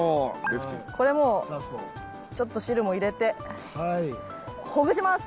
これもうちょっと汁も入れてほぐします。